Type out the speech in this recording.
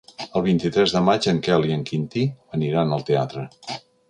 El vint-i-tres de maig en Quel i en Quintí aniran al teatre.